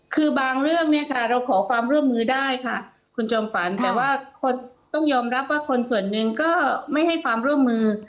คือบางเรื่องเนี่ยค่ะเราขอความร่วมมือได้ค่ะคุณจอมฝันแต่ว่าคนต้องยอมรับว่าคนส่วนหนึ่งก็ไม่ให้ความร่วมมือ